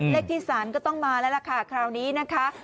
เลขที่๓ก็ต้องมาแล้วล่ะค่ะคราวนี้นะคะ